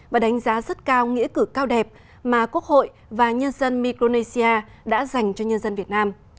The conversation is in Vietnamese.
và đánh giá rất cao nghĩa cử cao đẹp mà quốc hội và nhân dân micronesia đã dành cho nhân dân việt nam